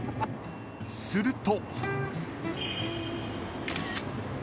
［すると］